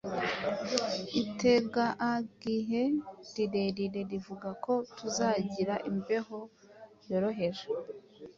Itegaagihe rirerire rivuga ko tuzagira imbeho yoroheje.